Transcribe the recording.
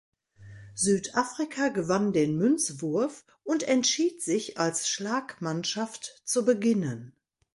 Südafrika gewann den Münzwurf und entschied sich als Schlagmannschaft zu beginnen.